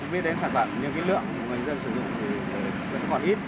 biết đến sản phẩm nhưng cái lượng người dân sử dụng thì vẫn còn ít